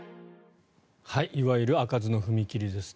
いわゆる開かずの踏切です。